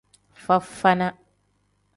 Fafana.